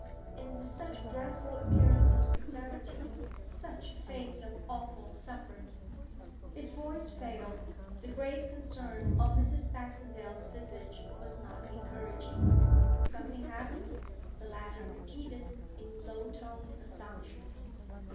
And with such dreadful appearance of sincerity such a face of awful suffering ' His voice failed. The grave concern on Mrs. Baxendale's visage was not encouraging. 'Something happened?' the latter repeated, in low toned astonishment.